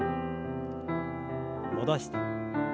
戻して。